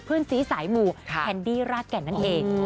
เพื่อนซีสายหมู่แคนดี้รากแก่นนั่นเอง